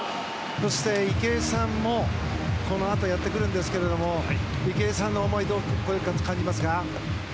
そして、池江さんもこのあとやってくるんですが池江さんの思いどう感じますか？